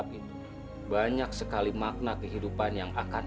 rusak dia berhabeh yuk nyai